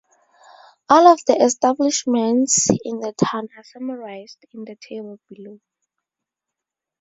All of the establishments in the town are summarised in the table below.